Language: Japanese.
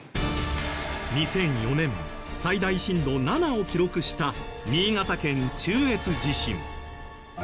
２００４年最大震度７を記録した新潟県中越地震。